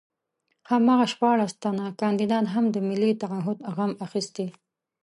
هماغه شپاړس تنه کاندیدان هم د ملي تعهُد غم اخیستي.